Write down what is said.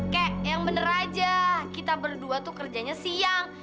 kayak yang bener aja kita berdua tuh kerjanya siang